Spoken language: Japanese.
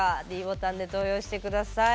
ｄボタンで投票して下さい。